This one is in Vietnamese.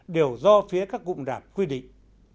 đều do phía các cụm rạp quy định